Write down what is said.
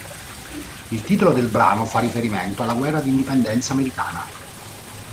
Il titolo del brano fa riferimento alla guerra d'indipendenza americana.